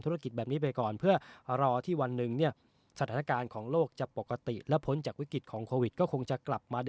ต่อไปได้ครับพวกเราก็เอาใจช่วยนะครับว่า